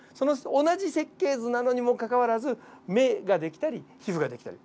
同じ設計図なのにもかかわらず目ができたり皮膚ができたり。